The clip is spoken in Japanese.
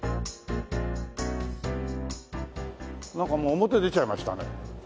なんかもう表に出ちゃいましたね。